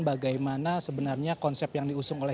bagaimana sebenarnya konsep yang diusung oleh